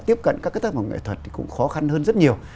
tiếp cận các cái tài khoản nghệ thuật thì cũng khó khăn hơn rất nhiều